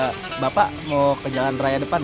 eee bapak mau ke jalan raya depan ya